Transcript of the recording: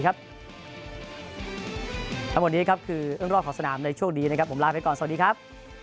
และหมดนี้คือเอิ้งรอบของสนามในช่วงดีผมลาไปก่อนสวัสดีครับ